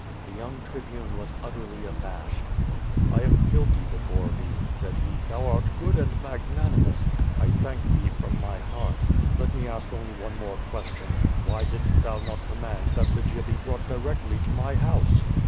The young Tribune was utterly abashed. "I am guilty before thee," said he. "Thou art good and magnanimous. I thank thee from my heart. Let me ask only one more question: Why didst thou not command that Lygia be brought directly to my house?"